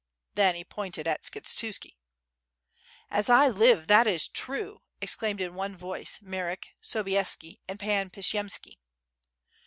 '' Then he pointed at Skshetuski. "As I live, that is true!" exclaimed in one vodce Marek, Sobieski and Pan Pshiyemski.